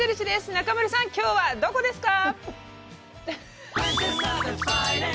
中丸さん、きょうはどこですか？